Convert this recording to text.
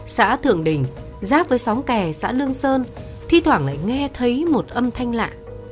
xã thượng đình giáp với xóm kè xã lương sơn thi thoảng lại nghe thấy một âm thanh lạ